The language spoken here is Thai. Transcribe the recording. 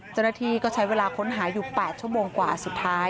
เจ้าหน้าที่ก็ใช้เวลาค้นหาอยู่๘ชั่วโมงกว่าสุดท้าย